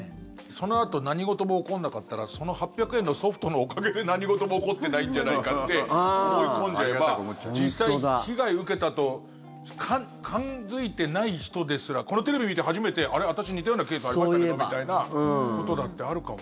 そのあと何事も起こらなかったらその８００円のソフトのおかげで何事も起こってないんじゃないかって思い込んじゃえば実際、被害を受けたと感付いてない人ですらこのテレビ見て初めてあれ、私似たようなケースありましたけどみたいなことだってあるかも。